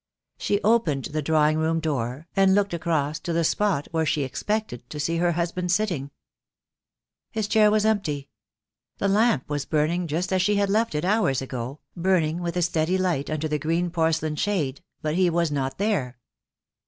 She opened the drawing room door, and looked across to the spot where she expected to see her husband sitting. His chair was empty. The lamp was burning just as she 78 THE DAY WILL COME. had left it hours ago, burning with a steady light under the green porcelain shade, but he was not there.